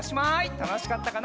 たのしかったかな？